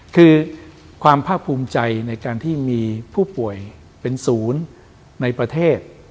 คือความภาคภูมิใจในการที่มีผู้ป่วยเป็นศูนย์ในประเทศ